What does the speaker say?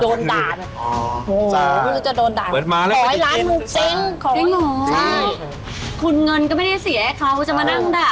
โอ้โหคือจะโดนด่าหลายล้านมุกเจ๊ขอให้หน่อยคุณเงินก็ไม่ได้เสียเขาจะมานั่งดาก